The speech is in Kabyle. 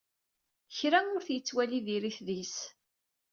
Kra ur t-yettwali diri-t deg-s.